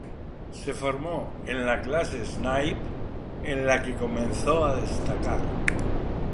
Se formó en la clase Snipe, en la que comenzó a destacar.